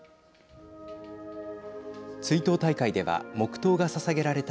追悼大会では黙とうがささげられた